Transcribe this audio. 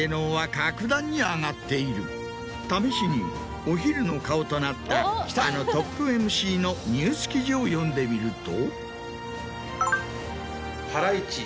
試しにお昼の顔となったあのトップＭＣのニュース記事を読んでみると。